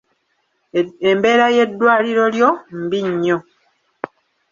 Embeera y'eddwaliro lyo mbi nnyo.